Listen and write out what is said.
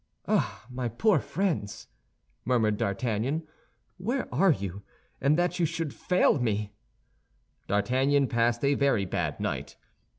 "Ah, my poor friends!" murmured D'Artagnan; "where are you? And that you should fail me!" D'Artagnan passed a very bad night.